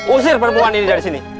usir perempuan ini dari sini